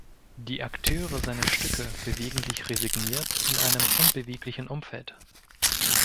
Die Akteure seiner Stücke bewegen sich resigniert in einem unbeweglichen Umfeld.